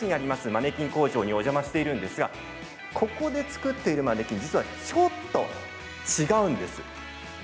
マネキン工場にお邪魔しているんですがここで作っているマネキン実は、ちょっと違うんです。